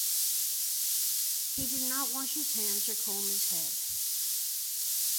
He did not wash his hands or comb his head.